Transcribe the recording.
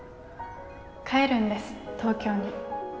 帰るんです東京に。